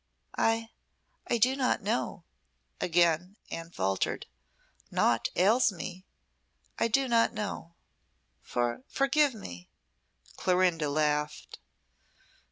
"I I do not know," again Anne faltered. "Naught ails me. I do not know. For forgive me!" Clorinda laughed.